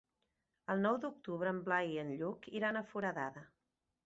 El nou d'octubre en Blai i en Lluc iran a Foradada.